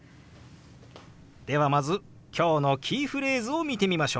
ではまず今日のキーフレーズを見てみましょう。